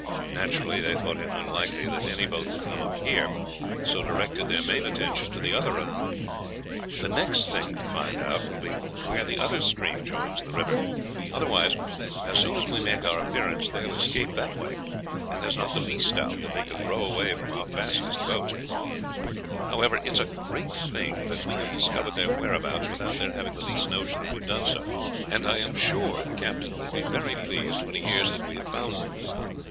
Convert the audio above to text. Naturally, they thought it unlikely that any boat would come up here, and so directed their main attention to the other opening. The next thing to find out will be where the other stream joins the river, otherwise, as soon as we make our appearance, they will escape that way, and there is not the least doubt that they could row away from our fastest boats. However, it is a great thing that we have discovered their whereabouts without their having the least notion that we have done so, and I am sure the captain will be very pleased when he hears that we have found them.